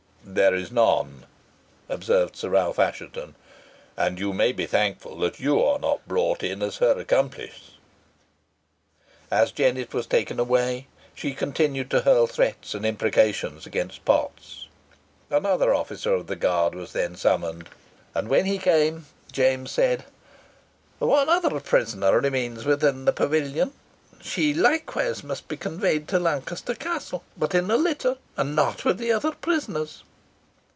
"There is none," observed Sir Ralph Assheton. "And you may be thankful you are not brought in as her accomplice." As Jennet was taken away, she continued to hurl threats and imprecations against Potts. Another officer of the guard was then summoned, and when he came, James said, "One other prisoner remains within the pavilion. She likewise must be conveyed to Lancaster Castle but in a litter, and not with the other prisoners."